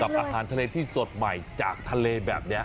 อาหารทะเลที่สดใหม่จากทะเลแบบนี้